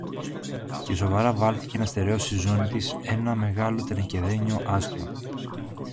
και σοβαρά βάλθηκε να στερεώσει στη ζώνη της ένα μεγάλο τενεκεδένιο άστρο.